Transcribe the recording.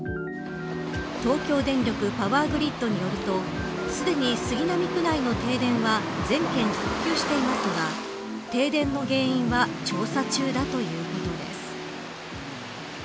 東京電力パワーグリッドによるとすでに杉並区内の停電は全軒復旧していますが停電の原因は調査中だということです。